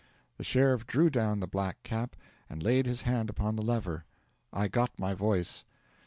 The sheriff drew down the black cap, and laid his hand upon the lever. I got my voice.